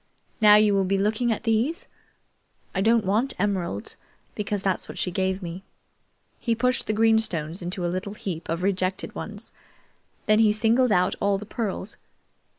Now you will be looking at these? I don't want emeralds, because that's what she gave me." He pushed the green stones into a little heap of rejected ones. Then he singled out all the pearls.